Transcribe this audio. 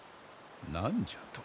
何じゃと？